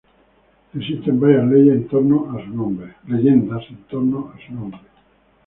Existen varias leyendas en torno a su nombre.